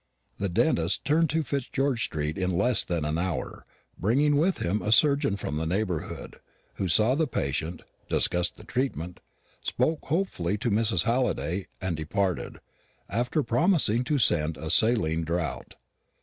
The dentist returned to Fitzgeorge street in less than an hour, bringing with him a surgeon from the neighbourhood, who saw the patient, discussed the treatment, spoke hopefully to Mrs. Halliday, and departed, after promising to send a saline draught.